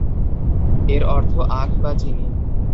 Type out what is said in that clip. এর অর্থ- আখ বা চিনি।